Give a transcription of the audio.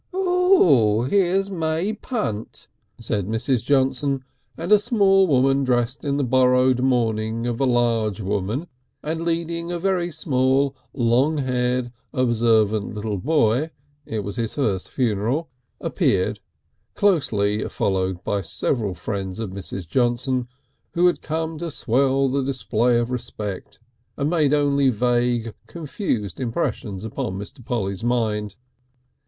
"Ah! here's May Punt!" said Mrs. Johnson, and a small woman dressed in the borrowed mourning of a large woman and leading a very small long haired observant little boy it was his first funeral appeared, closely followed by several friends of Mrs. Johnson who had come to swell the display of respect and made only vague, confused impressions upon Mr. Polly's mind.